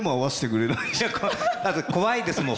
だって怖いですもん。